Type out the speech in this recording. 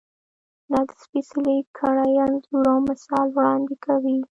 دا د سپېڅلې کړۍ انځور او مثال وړاندې کوي.